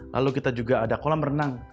lalu kita juga ada kolam renang